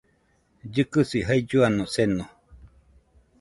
Llɨkɨsi jailluano seno